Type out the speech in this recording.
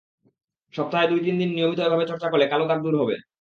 সপ্তাহে দুই-তিন দিন নিয়মিত এভাবে চর্চা করলে কালো দাগ দূর হবে।